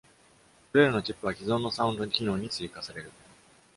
これらのチップは既存のサウンド機能に追加される。